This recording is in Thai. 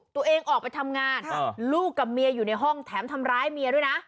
ตัวเองออกไปทำงานลูกกับเมียอยู่ในห้องแถมทำร้ายเมียด้วยนะ